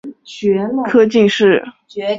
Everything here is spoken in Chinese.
宣统二年工科进士。